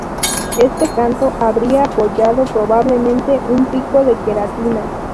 Este canto habría apoyado probablemente un pico de queratina.